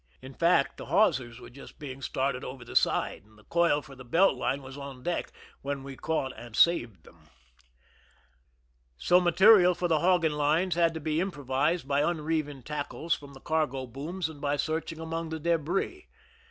In fact, the hawsers were just being started over the side, and the coil for the belt line was on deck, when we caught and saved them. So material for the hogging lines had to be improvised by unreeving tackles from the cargo booms and by searching among the debris.